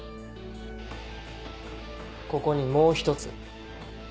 ここにもう１つ。